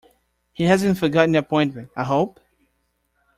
He hasn't forgotten the appointment, I hope?